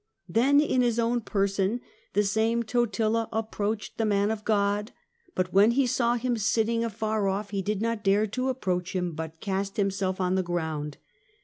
" Then, in his own person, the same Totila approached the man of God, but when he saw him sitting afar off he did not dare to approach him, but cast himself on the ground.